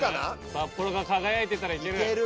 札幌が輝いてたらいける。